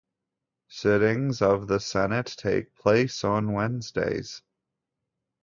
Sittings of the Senate take place on Wednesdays.